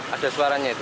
ada suaranya itu